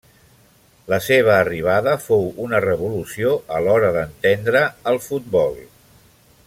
La seva arribada fou una revolució a l'hora d'entendre el futbol.